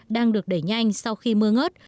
đang được đẩy nhanh sau khi mưa ngớt